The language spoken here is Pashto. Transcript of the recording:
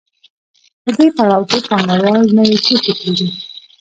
په دې پړاو کې پانګوال نوي توکي پلوري